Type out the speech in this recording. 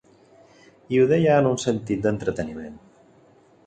I ho deia en un sentit d'entreteniment.